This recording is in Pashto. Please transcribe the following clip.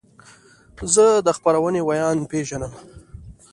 زه د خپرونې ویاند پیژنم.